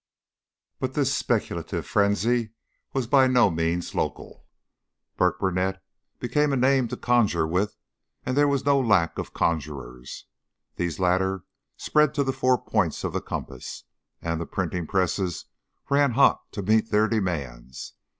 But this speculative frenzy was by no means local. Burkburnett became a name to conjure with and there was no lack of conjurers. These latter spread to the four points of the compass, and the printing presses ran hot to meet their demands.